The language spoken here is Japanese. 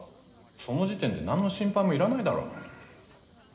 その時点で何の心配もいらないだろう。